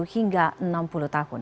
lima puluh hingga enam puluh tahun